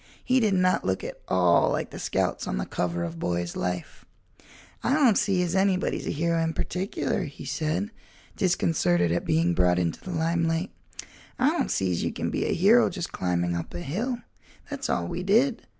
He did not look at all like the scouts on the cover of Boy's Life. "I don't see as anybody's a hero in particular," he said, disconcerted at being brought into the limelight. "I don't see's you can be a hero just climbing up a hill. That's all we did.